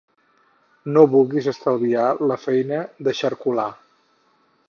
No vulguis estalviar la feina d'eixarcolar.